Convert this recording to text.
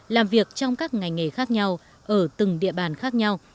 làm việc trong các ngành nghề khác nhau ở từng địa bàn khác nhau